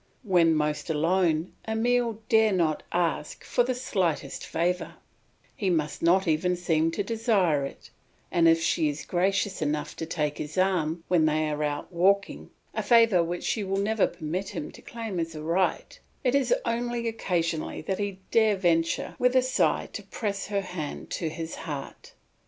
When most alone, Emile dare not ask for the slightest favour, he must not even seem to desire it; and if she is gracious enough to take his arm when they are out walking, a favour which she will never permit him to claim as a right, it is only occasionally that he dare venture with a sigh to press her hand to his heart.